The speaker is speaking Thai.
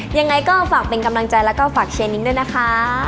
ยังไงก็ฝากเป็นกำลังใจแล้วก็ฝากเชียร์นิ้งด้วยนะคะ